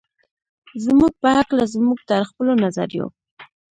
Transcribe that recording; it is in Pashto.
زموږ په هکله زموږ تر خپلو نظریو.